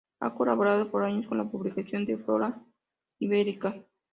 Ha colaborado por años con la publicación de "Flora iberica".